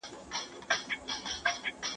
د ټولني قوانين مطالعه کړئ.